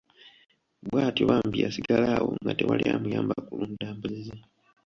Bwatyo bambi yasigala awo nga tewali amuyamba kulunda mbuzi ze.